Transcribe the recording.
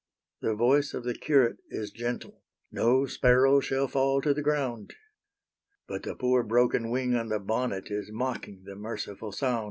The voice of the curate is gentle: "No sparrow shall fall to the ground;" But the poor broken wing on the bonnet Is mocking the merciful sound.